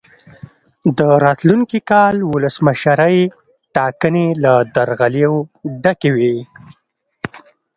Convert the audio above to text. د راتلونکي کال ولسمشرۍ ټاکنې له درغلیو ډکې وې.